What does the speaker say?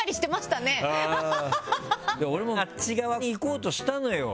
俺もあっち側に行こうとしたのよ。